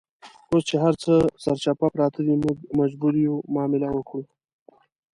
اوس چې هرڅه سرچپه پراته دي، موږ مجبور یو معامله وکړو.